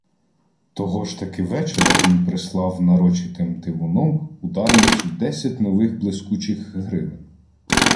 Того ж таки вечора він прислав нарочитим тивуном у Дарницю десять нових блискучих гривен.